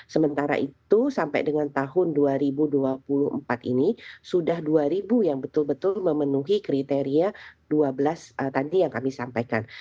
sementara itu sampai dengan tahun dua ribu dua puluh empat ini sudah dua ribu yang betul betul memenuhi kriteria dua belas tadi yang kami sampaikan